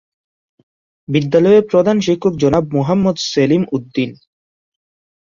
বিদ্যালয়ের প্রধান শিক্ষক জনাব মোহাম্মদ সেলিম উদ্দীন।